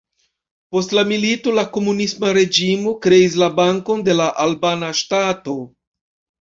Post la milito la komunisma reĝimo kreis la Bankon de la Albana Ŝtato.